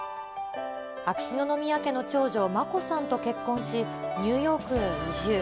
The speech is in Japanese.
秋篠宮家の長女、眞子さんと結婚し、ニューヨークへ移住。